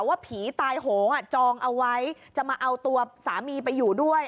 ว่าผีตายโหงจองเอาไว้จะมาเอาตัวสามีไปอยู่ด้วย